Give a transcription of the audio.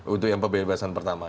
untuk yang pembebasan pertama